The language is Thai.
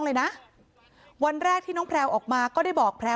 คำให้การในกอล์ฟนี่คือคำให้การในกอล์ฟนี่คือ